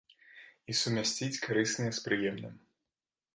І сумясціць карыснае з прыемным.